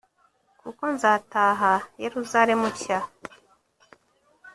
kuko nzataha yeruzalemu nshya